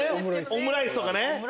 オムライスとかね。